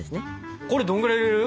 これどんぐらい入れる？